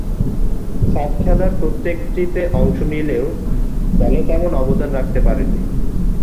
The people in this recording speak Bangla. সাত খেলার প্রত্যেকটিতে অংশ নিলেও দলে তেমন অবদান রাখতে পারেননি।